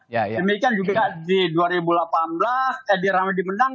demikian juga di dua ribu delapan belas edi rame dimenang